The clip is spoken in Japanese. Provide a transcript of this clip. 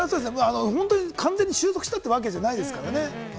完全に収束したってわけじゃないですからね。